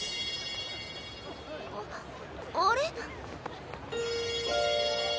あっあれ？